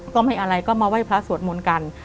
ก็ไม่อะไรก็มาไหว้พระสวดมนต์กัน